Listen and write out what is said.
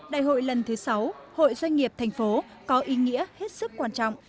đại hội lần thứ sáu hội doanh nghiệp tp hcm có ý nghĩa hết sức quan trọng